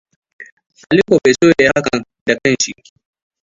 Aliko bai so yayi hakan da kanshi.